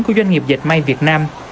của doanh nghiệp dệt may việt nam